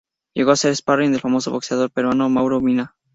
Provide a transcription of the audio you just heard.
Llegó a ser "sparring", del famoso boxeador peruano, Mauro Mina.